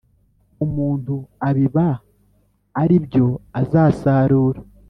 umuntu abiba ari byo azasarura